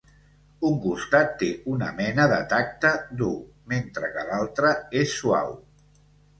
Un costat té una mena de tacte dur mentre que l'altre és suau.